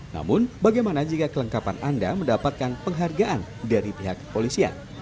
namun bagaimana jika kelengkapan anda mendapatkan penghargaan dari pihak kepolisian